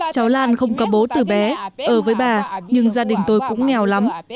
cháu lan không có bố từ bé ở với bà nhưng gia đình tôi cũng nghèo lắm